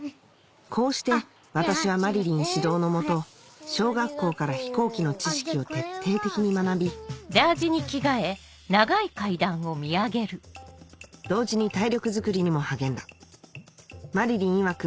こうして私はまりりん指導の下小学校から飛行機の知識を徹底的に学び同時に体力づくりにも励んだまりりんいわく